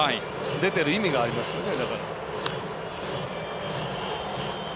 出ている意味がありますよね。